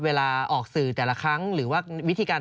เวลาออกสื่อแต่ละครั้งหรือว่า